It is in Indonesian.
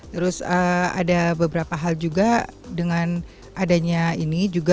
terus ada beberapa hal juga dengan adanya ini juga